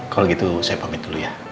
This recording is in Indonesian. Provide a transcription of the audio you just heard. kalau gitu saya pamit dulu ya